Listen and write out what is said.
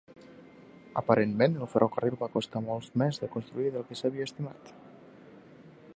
Aparentment el ferrocarril va costar molts més de construir del que s'havia estimat.